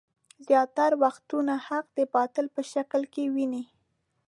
زياتره وختونه حق د باطل په شکل کې ويني.